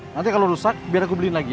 nanti kalo rusak biar aku beliin lagi ya